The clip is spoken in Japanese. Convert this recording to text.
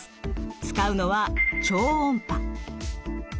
使うのは超音波。